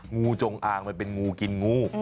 งูจงอางมันเป็นงูกินงู